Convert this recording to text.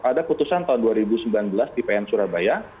ada putusan tahun dua ribu sembilan belas di pn surabaya